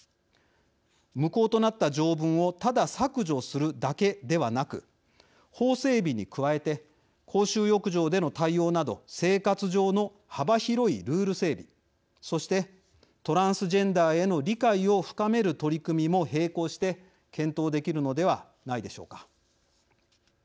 無効となった条文をただ削除するだけではなく法整備に加えて公衆浴場での対応など生活上の幅広いルール整備そしてトランスジェンダーへの理解を深める取り組みも並行して検討できるのではないでしょうか。